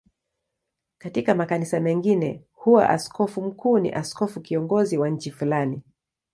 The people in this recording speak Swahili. Katika makanisa mengine huwa askofu mkuu ni askofu kiongozi wa nchi fulani.